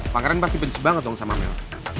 pangeran pasti pedis banget